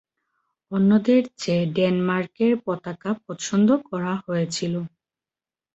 অন্যদের চেয়ে ডেনমার্কের পতাকা পছন্দ করা হয়েছিল।